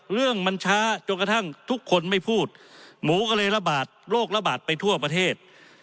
เรื่องมันช้าจนกระทั่งทุกคนไม่พูดหมูก็เลยระบาดโรคระบาดไปทั่วประเทศ